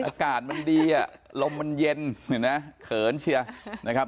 อากาศมันดีลมมันเย็นเผินเชียวนะครับ